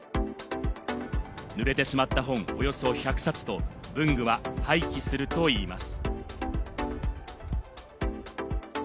濡れてしまった本およそ１００冊と文具は廃棄するといいます。